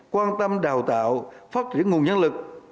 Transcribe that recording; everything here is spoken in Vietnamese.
quan tâm đào tạo phát triển nguồn nhân lực